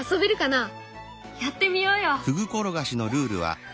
やってみようよ！